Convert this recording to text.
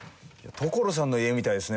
「所さんの家みたいですね」